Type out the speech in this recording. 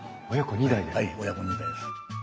はい親子２代です。